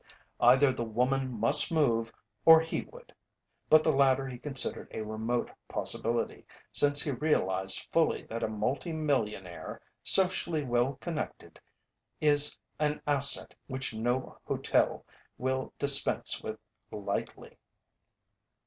Either the woman must move, or he would but the latter he considered a remote possibility, since he realized fully that a multi millionaire, socially well connected, is an asset which no hotel will dispense with lightly.